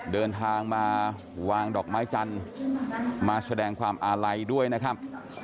เดินทางมาวางดอกไม้จันทร์มาแสดงความอาลัยด้วยนะครับ